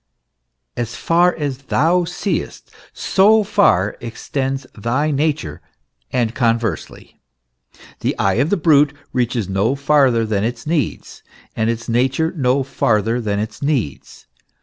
As far as thou seest, so far extends thy nature ; and conversely. The eye of the brute reaches no farther than its needs, and its nature no farther than its needs.